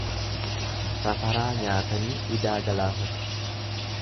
Safaraa nyaatanii idaa galaafatu.